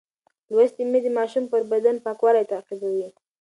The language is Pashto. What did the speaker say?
لوستې میندې د ماشوم پر بدن پاکوالی تعقیبوي.